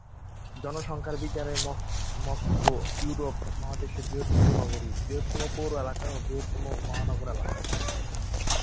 জনসংখ্যার বিচারে Moscow Europe মহাদেশের বৃহত্তম নগরী, বৃহত্তম পৌর এলাকা, এবং বৃহত্তম মহানগর এলাকা।